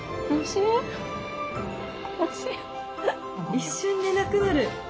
一瞬でなくなる。